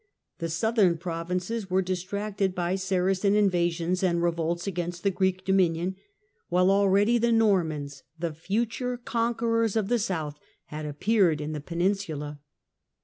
The }^^^^^ southern provinces were distracted by Saracen invasions Italian Ex and revolts against the Greek dominion, while already 1021 the Normans, the future conquerors of the South, had appeared in the peninsula.